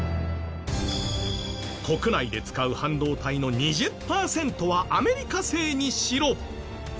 国内で使う半導体の２０パーセントはアメリカ製にしろ！